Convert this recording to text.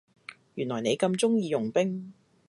原來你咁鍾意傭兵